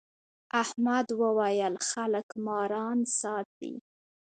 احمد وويل: خلک ماران ساتي.